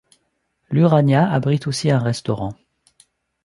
L'Urania abrite aussi un restaurant.